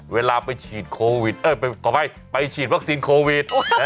เวลาไปฉีดโควิดเอ้อไปก่อนไปไปฉีดวัคซีนโควิด